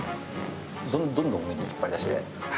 どんどん上に引っ張り出して。